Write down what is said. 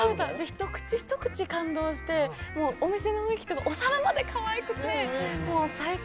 １口１口感動してお店の雰囲気とかお皿までかわいくて、もう最高。